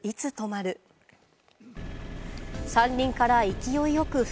いつ止まる？